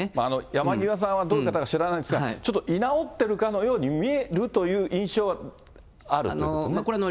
山際さんはどういう方か知らないんですが、ちょっと居直ってるかのように見えるという印象はあるってことね。